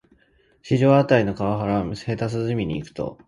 四条あたりの河原へ夕涼みに行くと、